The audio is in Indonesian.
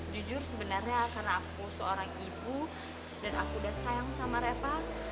jujur sebenarnya karena aku seorang ibu dan aku udah sayang sama reva